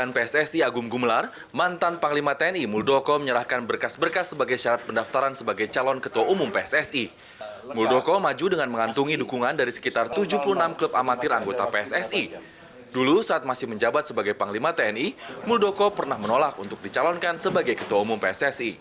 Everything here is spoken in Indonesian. ada saya pikir kita bisa bersama sama dengan teman teman yang lain untuk memikirkan pssi terima kasih